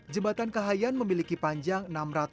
jembatan kahayan memiliki panjang